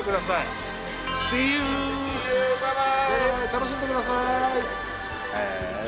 楽しんでください。